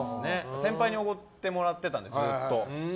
先輩におごってもらってたんでずっと。